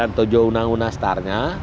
entahlah kalau ada bentuk baiknya